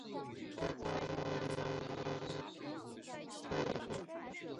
沃多拉兹杰利诺耶村委员会是俄罗斯联邦阿穆尔州谢雷舍沃区所属的一个村委员会。